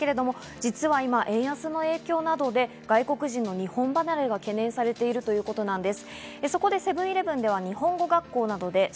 実は今、円安の影響などで外国人の日本離れが懸念されているということです。